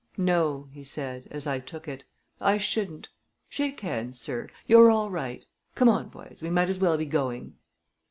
"No," he said, as I took it. "I shouldn't. Shake hands, sir; you're all right. Come on, boys, we might as well be going."